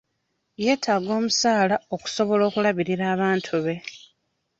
Yeetaaga omusaala okusobola okulabirira abantu be.